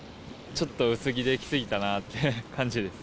ちょっと薄着できすぎたなって感じです。